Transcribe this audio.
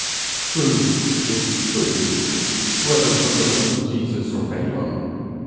Truth is truth, whether from the lips of Jesus or Balaam.